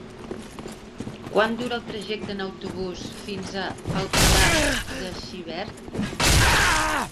Quant dura el trajecte en autobús fins a Alcalà de Xivert?